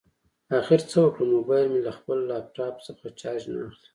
اخر څه وکړم؟ مبایل مې له خپل لاپټاپ څخه چارج نه اخلي